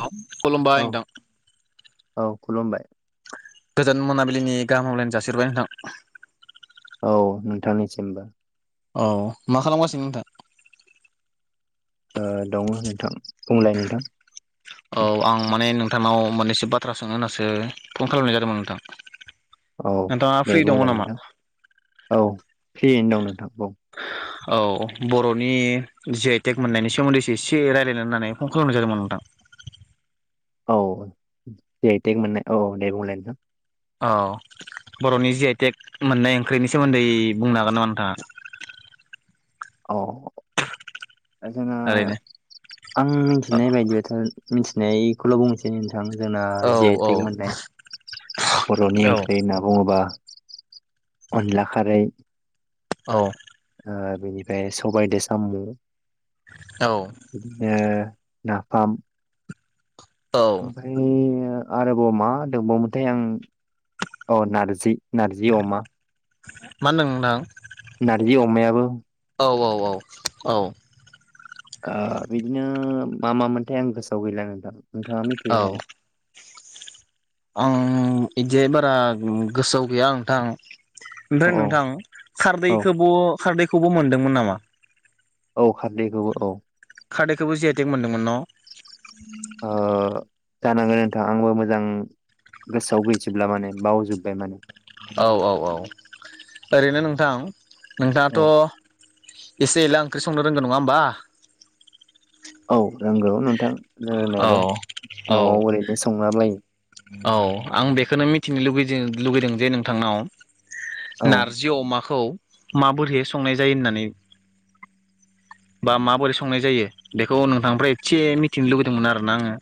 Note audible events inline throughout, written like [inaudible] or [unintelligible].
[unintelligible] औ खुलुमबाय नोंथां। औ खुलुमबाय गोजोन मोनाबिलिनि गाहाम हामलायनाय जासिहरबाय नोंथां। औ नोंथांनिसिमबो। औ मा खालामगासिनो नोंथां? ओ दङ नोंथां बुंलाय नोंथां औ आं माने नोंथांनाव मोननैसो बाथ्रा सोंनो होननासो फन खालामनाय जादोंमोन नोंथां। औ नोंथाङा दे फ्रि दङ बुंलाय नामा? नोंथां औ फ्रियैनो दं नोंथां औ औ बर'नि जि आइ टेक मोननायनि सोमोन्दैसो एसे रायलायनो होननानै फन खालामनाय जादोंमोन नोंथां। औ जि आइ टेक मोननाय औ दे बुंलाय नोंथां। औ बर'नि जि आइ टेक मोननाय ओंख्रिनि सोमोन्दै बुंनो हागोन नामा नोंथाङा? औ दा जोङो ओरैनो? आं मोनथिनाय बायदि [unintelligible] मोनथिनायखौल' बुंनोसै नों थां जोंना औ जि आइ औ टेक मोननाय बर'नि औ ओंख्रै होनना बुङोबा अनला खारै औ ओ बेनिफ्राय सबाइदो सामु औ बिदिनो नाफाम औ ओमफ्राय आरोबाव मा दंबावोमोनथाय आं अ नारजि। नारजि अमा मा होनदों नोंथां? नारजि अमायाबो औ औ औ औ ओ बिदिनो मा मामोनथाय आं गोसोआव गैला नोंथां नोंथाङा औ मिथिगौ नामा? आं इदि बारा गोसोआव गैया नोंथां औ ओमफ्राय औ नोंथां औ खारदैखौबो खारदैखौबो मोनदोंमोन नामा? औ खारदैखौबो औ खारदैखौबो जि आइ थेक मोनदोंमोन न' ओ जानांगोन नोंथां आंबो मोजां गोसोआव गैजोबला माने बावजोब्बाय माने औ औ औ ओरैनो नोंथां नोंथाङाथ' औ इसे एला ओंख्रै संनो रोंगोन नङा होमबा औ रोंगौ नोंथां औ रोंनायालाय न'आव ओरैनो संला बायो। औ आं बेखौनो मिथिनो लुबैदों लुगैदों जे नोंथांनाव औ नार जि अमाखौ माबोरै संनाय जायो होननानै बा माबोरै संनाय जायो बेखौ नोंथांनिफ्राय एसे मिथिनो लुबैदोंमोन आरोना आङो।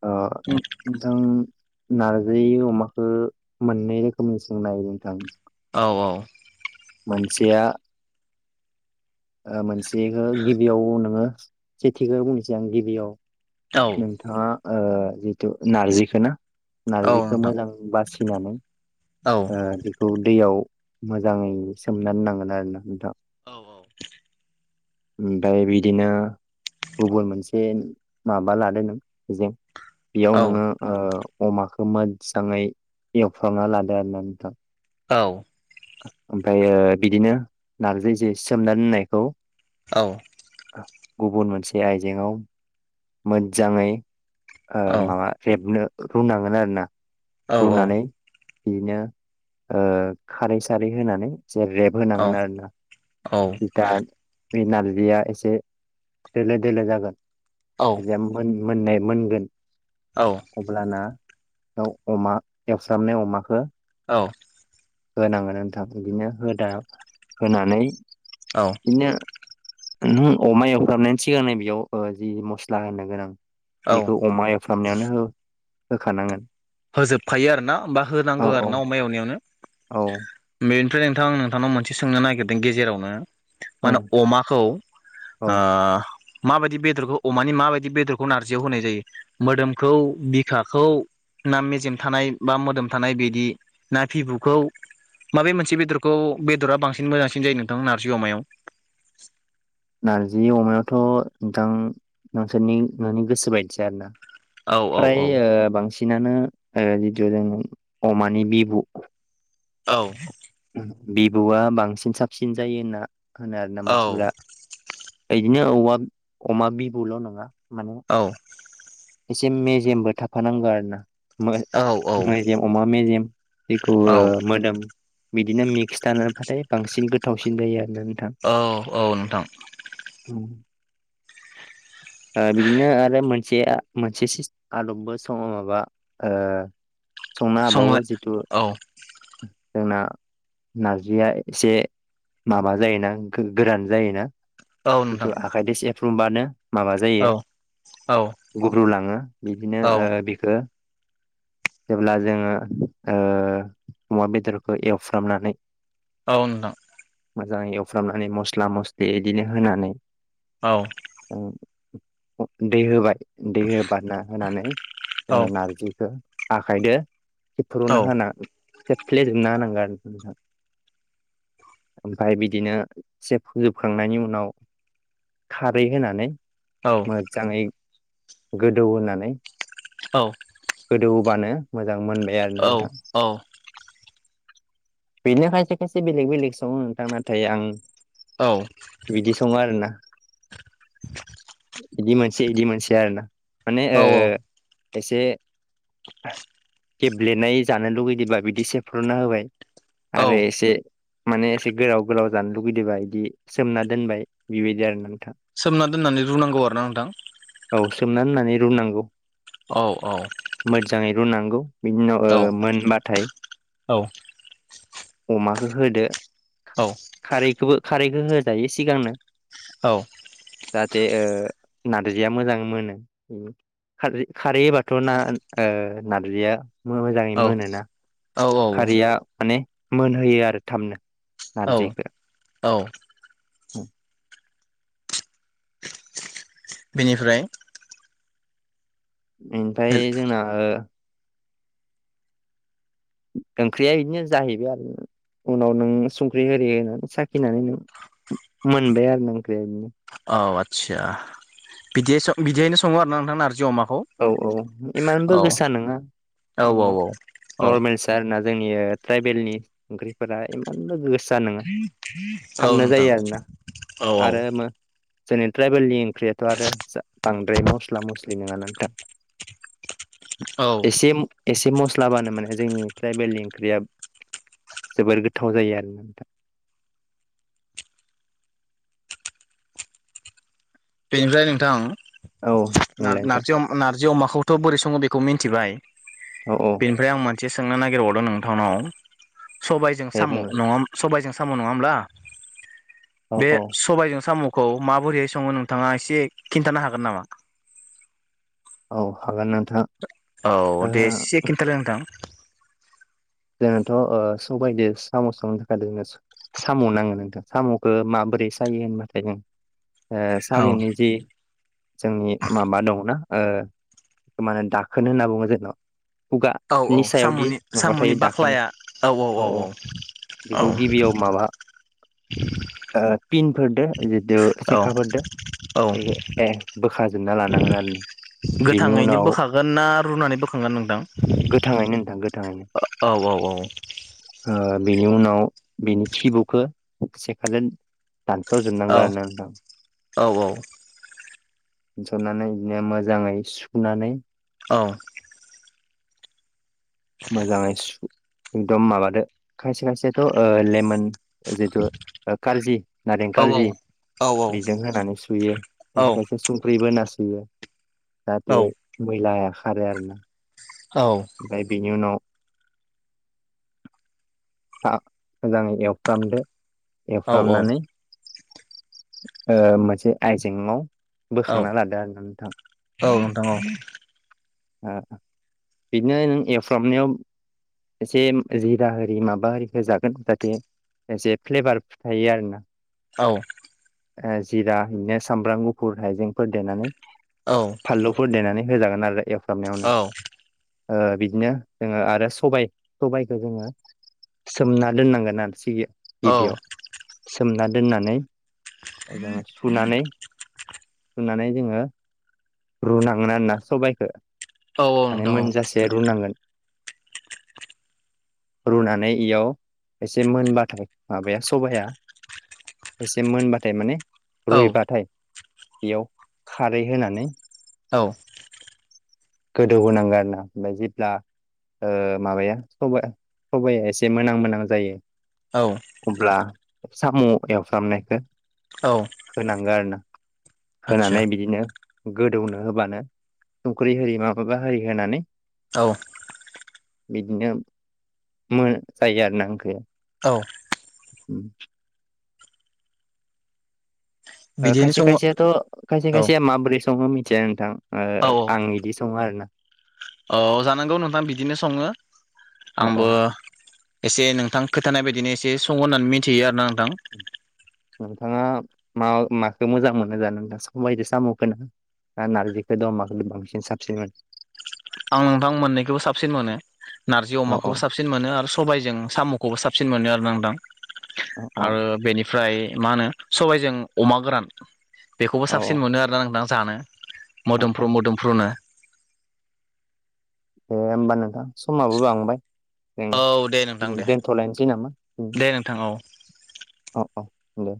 ओ [unintelligible] नोंथां नारजै अमाखौ मोननै रोखोमै संनो हायो नोंथां। औ औ मोनसेया ओ मोनसेखौ गिबियाव नोङो सेथिखौ बुंनोसै आं गिबियाव औ नों नोंथाङा जिथु नारजिखौ ना औ नारजिखौ नोंथां मोजां बासिनानै औ बेखौ दैयाव मोजाङै सोमनानै दोनांगोन आरोना नोंथां औ औ दायो बिदिनो गुबुन मोनसे माबा लादों नों जों बेयाव औ नोङो अमाखौ मोजाङै एवफ्रांना लादो आरो ना नोंथां औ ओमफ्रायो बिदिनो नारजि जे सोमना दोननायखौ औ गुबुन मोनसे आइजेंआव मोजाङै माबा रेबनो रुनांगोन आरो ना औ रुनानै बिदिनो खारै सारै होनानै एसे रेब औ होनांगोन आरोना औ दा बे नारजिया एसे दोलो दोलो जागोन औ मोननाय मोनगोन औ अब्लाना अमा एवस्रामनाय अमाखौ औ होनांगोन नोंथां बिदिनो होदा होनानै औ बिदिनो नों अमा एवफ्रामनायनि सिगां नै बेयाव जि मस्ला होननो गोनां औ बेखौ अमा एवफ्रामनायावनो होखानांगोन होजोबखायो आरो ना बा औ होनांगौ औ आरो ना अमा एवनायावनो औ बेनिफ्राय नोंथां आं नोंथांनाव मोनसे सोंनो नागिरदों गेजेरावनो औ मा होनो अमाखौ औ माबायदि बेदरखौ अमानि माबायदि बेदरखौ नारजियाव होनाय जायो मोदोमखौ बिखाखौ ना मेजेम थानाय बा मोदोम थानाय बिदि ना फिबुखौ माबे मोनसे बेदरखौ बेदरा बांसिन मोजांसिन जायो नोंथां नारजि अमायाव नारजि अमायावथ' नोंथां नोंसोरनि नोंनि गोसो बायदिसै आरो ना औ औ फ्राय औ बांसिनानो जितु जों अमानि बिबु औ बिबुआ बांसिन साबसिन जायो होनना होनो आरोना औ मानसिफोरा बिदिनो औमा अमा बिबुल' नङा माने औ एसे मेजेमबो थाफानांगौ आरो ना औ मेजेम अमा मेजेम जेखौ औ मोदोम बिदिनो मिक्स थानोबाथाय बांसिन गोथावसिन जायो आरोा नोंथां औ औ नोंथां ओ बिदिनो आरो मोनसेया मोनसे आदबबो सम माबा संनो हाबावो संलाय जिथु औ जोंना नारजिया एसे माबा जायोना गोरान जायोना औ नोंथां खिन्थु आखाइ सेफ्रुबानो औ औ गुब्रु लाङो बिदिनो औ ओ बिखो जेब्ला जोङो अमा बेदरखौ एवफ्रामनानै औ नोंथां मोजाङै एवफ्रामनानै मस्ला मस्लि बिदिनो होनानै औ दै होबाय दै होबानना होनानै औ जोङो नारजि आखायदो औ सिफ्रुना होना सेफ्लेेजोबना होनांगो आरो नोंथां। ओमफाय बिदिनो सेफ्रुजोबखांनायनि उनाव खारै होनानै औ मोजाङै गोदौहोनानै औ। गोदौहोबानो मोजां मोनबाय आरोना नोंथां। औ। बेनो खायसे खायसे बेलेग बेलेग सङो नोंथां नाथाय आं औ। बिदि सङो आरोना इदि मोनसे इदि मोनसे आरोना‌। माने औ ओ औ एसे गेब्लेनाय जानो लुगैदोंबा बिदि सेफ्रुना होबाय। आरो औ एसे माने एसे गोलाव गोलाव जानो लुगैदोबा बिदि सोमना दोनबाय बिबायदि आरोना नोंथां। सोमना दोननानै रुनांगौ आरोना नोंथां‌। औ सोमना दोननानै रुनांगौ। औ औ। मोजाङै रुनांगौ बिनि उनाव औ ओ मोनबाथाय औ। अमाखो होदो। औ। खारैखोबो खारैखो होजायो सिगांनो। औ। जाहाथे ओ नारजिया मोजां मोनो। खारजि खारै होबाथ' ना ओ नारजिया मोजाङै मोनोना। औ खारिया माने मोनहोयो आरो थामनो। औ औ। बेनिफ्राय बेनिफाय जोंना ओ ओंख्रिया इदिनो जाहैबाय आरो। उनाव नों संख्रि होरि होनानै साखिनानै नों मोनबाय आरोना ओंख्रिया इयो। औ आस्सा बिदियै स बिदियैनो सङो आरो ना नोंथां नारजि अमाखौ? औ औ इमानबो औ गोसा नङा औ औ औ औ नरमेलसो। सार ना जोंनि ओ ट्राइबेलनि ओंख्रिफोरा इमानबो गोसो नङा औ थाबनो नोंथां जायो आरोना औ औ आरो जोंनि ट्राइबेलनि ओंख्रियाथ' आरो बांद्राय मस्ला मस्लि नङा ना नोंथां। औ एसे एसे मस्लाबानो माने जोंनि ट्राइबेलनि ओंख्रिया जोबोर गोथाव जायो आरोना नोंथां। बेनिफ्राय औ नोंथां बुंलाय नार नोंथां नारजि अ नारजि अमाखौथ' बोरै सङो बेखौ मिन्थिबाय। औ औ। इनिफ्राय आं मोनसे सोंनो नागिरबावदों नोंथांनाव सबायजों दे साम' बुंलाय नङा हो सबायजों साम' नङा होमब्ला औ बे औ सबायजों साम'खौ माबोरैहाय सङो नों नोंथाङा एसे खिन्थानो हागोन नामा? औ हागोन नोंथां। औ ओ दे एसे खिन्थादो नोंथां। जोंथ' ओ सबायदो साम' संनो थाखाय साम' नाङो नोंथां साम'खौ माबोरै सायो होनबाथाय जों ओ साम'नि औ जि जोंनि माबा दङोना ओ मा होनो दाखोन होनना बुङो जोंनाव। औ खुगानि सायावदि साम'नि माबा थायो साम'नि दाखोन बाख्लाया औ औ औ औ बेखौ गिबियाव माबा ओ पिनफोरदों जितु औ सेखाफोरदों औ बे ए बोखाजोबना लानांगोन आरो। बिनि उनाव गोन ना रुनानै बोखांगोन नोंथां? गोथाङैनो नोंथां गोथाङैनो। ओ औ औ औ। ओ बिनि उनाव बेनि खिबुखौ सेखाजों दानस' औ जोबनांगौ आरो ना नोंथां। औ औ। दानस'नानै बिदिनो मोजाङै सुनानै औ। मोजाङै सु एकदम माबादो खायसे खायसेथ' ओ लेमन जितु ओ कारजि नारें औ कारजि औ बेजों होनानै सुयो। आरो संख्रिबो होना सुयो जाहाथे मैलाया खारो आरोना। औ। ओमफ्राय बेनि उनाव थाब मोजाङै एवफ्रामदो। एवफ्रामनानै ओ मोनसे आयजेंआव औ बोखांना लादो आरोना नोंथां। औ नोंथां औ। ओ बिदिनो नों एवफ्रामनायाव एसे जिरा आरि माबा आरिखौ होजागोन जाहाथे एसे फ्लेबार थायो आरोना। औ। ओ जिरा बिदिनो सामब्राम गुफुर हायजेंफोर देनानै औ। फानलुफोर देनानै होजागोन आरो एवफ्रामनायावनो। औ ओ बिदिनो जोङो आरो सबायइ सबाइखौ जोङो सोमना दोननांगोन आरो सिगि औ गिबियाव। सोमना दोननानै जोङो ओ सुनानै सुनानै जोङो रुनांगोन आरोना सबाइखौ औ औ माने नोंथां मोनजासे रुनांगोन। रुनानै इयाव एसे मोनबाथाय माबाया सबाया एसे मोनबाथाय माने औ रुइबाथाय बेयाव खारै होनानै औ। गोदौ होनांगौ आरोना। ओमफ्राय जेब्ला ओ माबाया सबाया सबाया एसे मोनहां मोनहां जायो औ। अब्ला साम' एवफ्रामनायखौ औ होनांगो आरोना। आदसा होनानै बिदिनो गोदौनो होबानो संख्रि आरि मा माबा आरि होनानै औ। बिदिनो मो जायो आरोना ओंख्रिया। औ। [inaudible] ओ बिदिनो खायसे सङो औ खायसेयाथ' खायसे खायसेया औ माबोरै सङो मिथिया नोंथां। ओ औ आं इदि सङो आरोना। औ जानांगौ नोंथां बिदिनो सङो, औ औ आंबो एसे नोंथां खोथानाय बायदिनो एसे सङो होननानै मिथियो आरोना नोंथां। नोंथाङा मा माखो मोजां मोनो जानो ना सबायजों साम'खौनो? ना नारजिखौदो अमाखौदो बांसिन साबसिन मोनो? आं नोंथां मोन्नैखौबो साबसिन मोनो नारजि औ औ अमाखौबो साब सिन मोनो आरो सबाइजों साम'खौबो साबसिन मोनो आरो नोंथां औ औ आरो बेनि फ्राय मा होनो सबाइजों अमा गोरान बेखौबो औ साबसिन मोनो आ रो ना जानो औ औ मोदोमफ्रु मोदोमफ्रुनो। दे होमबा नोंथां समाबो बांबाय औ दे नोंथां जों दे दोनथ'लायनोसै नामा? दे नोंथां औ। अ' अ' दे।